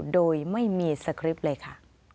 โดยไม่มีสคริปต์เลยค่ะ